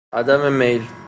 عدم میل